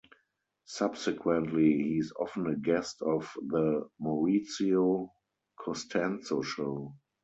Subsequently he’s often a guest of the “Maurizio Costanzo Show”.